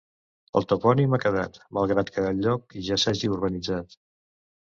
El topònim ha quedat, malgrat que el lloc ja s'hagi urbanitzat.